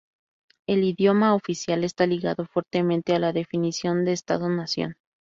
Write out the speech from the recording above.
El idioma oficial está ligado fuertemente a la definición de Estado-nación.